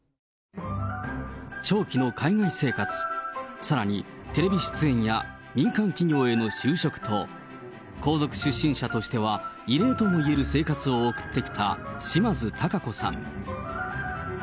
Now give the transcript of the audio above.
長期の海外生活、さらにテレビ出演や民間企業への就職と、皇族出身者としては異例ともいえる生活を送ってきた島津貴子さん。